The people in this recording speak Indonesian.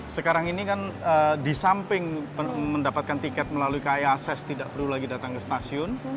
sekarang ini kan disamping mendapatkan tiket melalui kkiases tidak perlu lagi datang ke stasiun